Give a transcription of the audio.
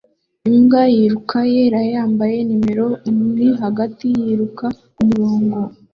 Imbwa yiruka yera yambaye nimero ni hagati yiruka kumurongo